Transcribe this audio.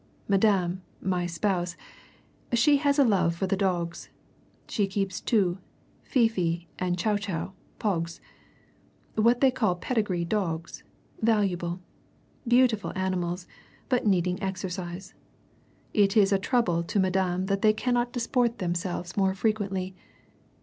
Madame, my spouse, she has a love for the dogs she keeps two, Fifi and Chou Chou pogs. What they call pedigree dogs valuable. Beautiful animals but needing exercise. It is a trouble to Madame that they cannot disport themselves more frequently.